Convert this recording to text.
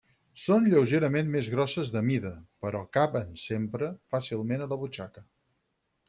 Són lleugerament més grosses de mida, però caben sempre fàcilment a la butxaca.